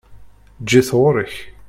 Eǧǧ-it ɣuṛ-k!